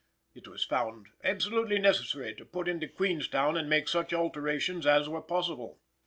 It was found absolutely necessary to put into Queenstown and make such alterations as were possible.